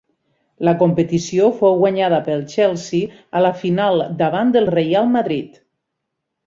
La competició fou guanyada pel Chelsea a la final davant del Reial Madrid.